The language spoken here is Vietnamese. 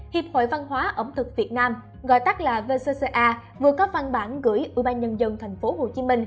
hiệp hội văn hóa ẩm thực việt nam gọi tắt là vcca vừa có văn bản gửi ủy ban nhân dân tp hcm